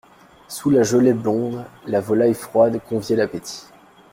Sous la gelée blonde, la volaille froide conviait l'appétit.